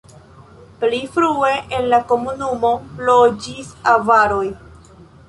Pli frue en la komunumo loĝis avaroj.